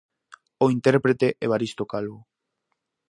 O intérprete Evaristo Calvo.